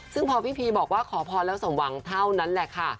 ซึ่งพอพี่พีบอกว่าขอพรแล้วสมหวังเท่านั้นแหละค่ะ